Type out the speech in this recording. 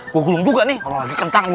gua gulung juga nih orang lagi kentang luar